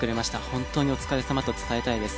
本当にお疲れさまと伝えたいです。